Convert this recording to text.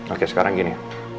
oke sekarang gini